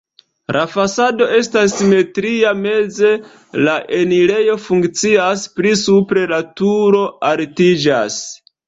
La fasado estas simetria, meze la enirejo funkcias, pli supre la turo altiĝas.